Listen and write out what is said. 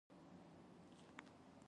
کلک شان ښه دی.